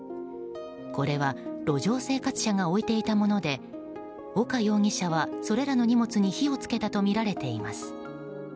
これは、路上生活者が置いていたもので岡容疑者は、それらの荷物に火を付けたとみられています。